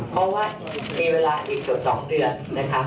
เพราะว่ามีเวลาอีกเท่า๒เดือน